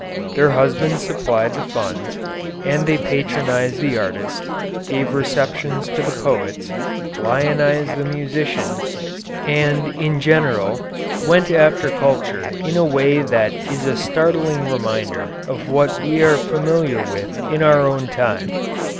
Their husbands supplied the funds, and they patronized the artists, gave receptions to the poets, lionized the musicians, and, in general, "went after culture" in a way that is a startling reminder of what we are familiar with in our own time.